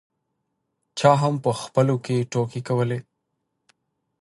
چا هم په خپلو کې ټوکې کولې.